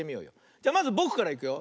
じゃまずぼくからいくよ。